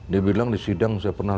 dia bilang di sidang saya pernah